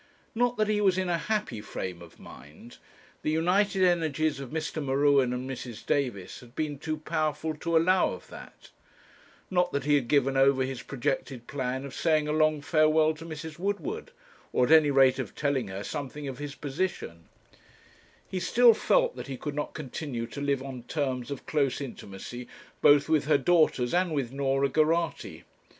Not that he was in a happy frame of mind; the united energies of Mr. M'Ruen and Mrs. Davis had been too powerful to allow of that; not that he had given over his projected plan of saying a long farewell to Mrs. Woodward, or at any rate of telling her something of his position; he still felt that he could not continue to live on terms of close intimacy both with her daughters and with Norah Geraghty.